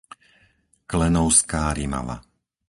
Klenovská Rimava